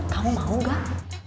kamu mau gak